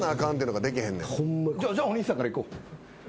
じゃあお兄さんからいこう。